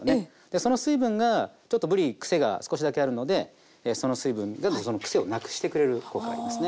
その水分がちょっとぶりクセが少しだけあるのでその水分がそのクセをなくしてくれる効果がありますね。